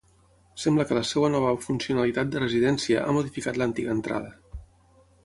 Sembla que la seva nova funcionalitat de residència ha modificat l'antiga entrada.